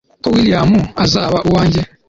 ko william azaba uwanjye